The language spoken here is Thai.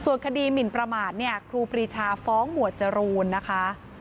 ส่วนคดีหมินประมาทเนี่ยครูปรีชาฟ้องหมวดจรูนนะคะ